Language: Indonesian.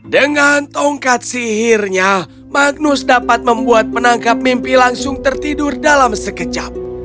dengan tongkat sihirnya magnus dapat membuat penangkap mimpi langsung tertidur dalam sekejap